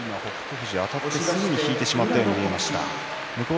富士はあたってすぐに引いてしまったように見えました。